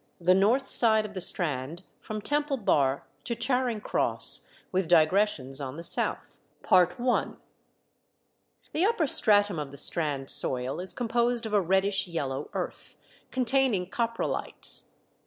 THE NORTH SIDE OF THE STRAND, FROM TEMPLE BAR TO CHARING CROSS, WITH DIGRESSIONS ON THE SOUTH. The upper stratum of the Strand soil is composed of a reddish yellow earth, containing coprolites.